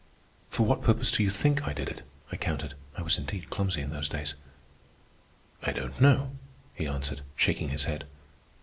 "For what purpose do you think I did it?" I countered. I was indeed clumsy in those days. "I don't know," he answered, shaking his head.